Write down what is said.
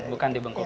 bukan di bengkulu